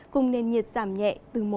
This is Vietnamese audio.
cùng nền nhiệt giảm nhẹ từ một